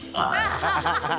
ハハハハッ。